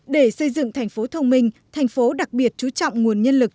để xây dựng thành phố thông minh thành phố đặc biệt chú trọng nguồn nhân lực